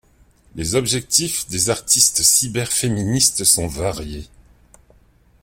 Les objectifs des artistes cyberféministes sont variés.